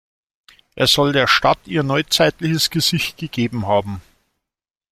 Er soll der Stadt ihr neuzeitliches Gesicht gegeben haben.